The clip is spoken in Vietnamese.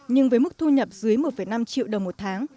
nhưng với mức thu nhập dưới một năm triệu đồng một tháng